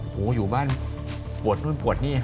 หูอยู่บ้านปวดนู่นปวดนี่